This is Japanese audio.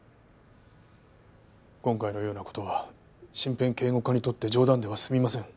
今回のような事は身辺警護課にとって冗談では済みません。